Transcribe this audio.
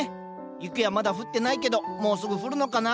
雪はまだ降ってないけどもうすぐ降るのかな？